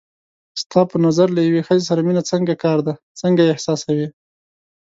ستا په نظر له یوې ښځې سره مینه څنګه کار دی، څنګه یې احساسوې؟